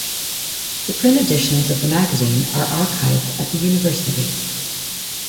The print editions of the magazine are archived at the University.